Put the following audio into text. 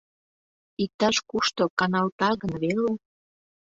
Иктаж-кушто каналта гын веле!